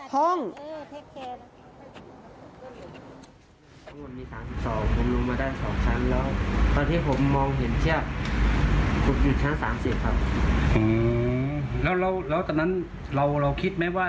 อ๋อต้องบอกที่ชั้น๒๖ที่ทำอยู่